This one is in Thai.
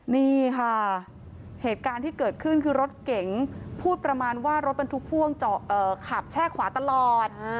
นี่ค่ะเหตุการณ์ที่เกิดขึ้นคือรถเก๋งพูดประมาณว่ารถบรรทุกพ่วงขับแช่ขวาตลอด